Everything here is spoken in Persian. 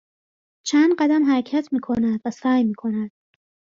چند قدم حرکت میکند و سعی میکند